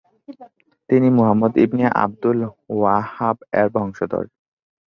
তিনি Muhammad ibn Abdul Wahhab এর বংশধর।